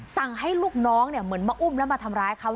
สั่งให้ลูกน้องเหมือนมาอุ้มแล้วมาทำร้ายเขา